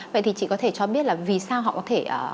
vậy thì chị có thể cho biết là vì sao họ có thể